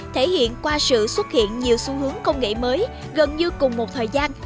thể hiện qua sự xuất hiện nhiều xu hướng công nghệ mới gần như cùng một thời gian